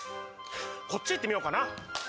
こっちへ行ってみようかな